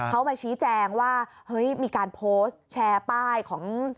เขามาชี้แจงว่าเฮ้ยมีการโพสต์แชร์ป้ายของ